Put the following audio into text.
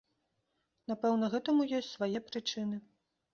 Напэўна, гэтаму ёсць свае прычыны.